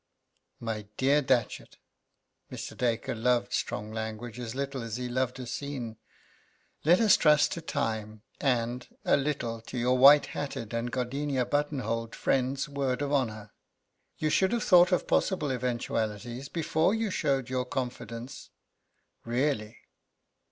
"My dear Datchet" Mr. Dacre loved strong language as little as he loved a scene "let us trust to time and, a little, to your white hatted and gardenia button holed friend's word of honour. You should have thought of possible eventualities before you showed your confidence really.